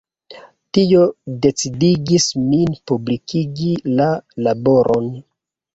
Tio decidigis min publikigi la laboron.